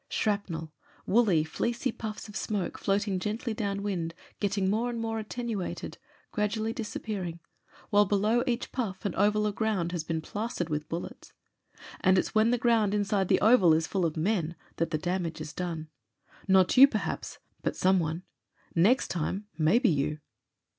Shrapnel! Woolly, fleecy puffs of smoke floating gently down wind, getting more and more attenuated, gradually disappearing, while below each puff an oval of ground has been plastered with bullets. And it's when the ground inside the oval is full of men that the damage is done. PROLOGUE xix Not you perhaps '— but someone. Next time — maybe you.